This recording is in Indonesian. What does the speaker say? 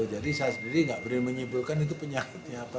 jadi saya sendiri nggak beriru menyimpulkan itu penyakitnya apa